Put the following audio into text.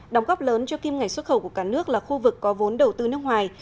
đóng góp lớn cho kim ngạch xuất khẩu của cả nước là khu vực có vốn đầu tư nước ngoài